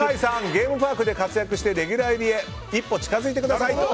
ゲームパークで活躍してレギュラー入りへ一歩近づいてくださいと。